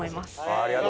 ありがとう！